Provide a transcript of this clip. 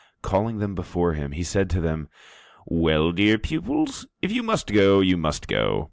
Calling them before him, he said to them: "Well, dear pupils, if you must go, you must go.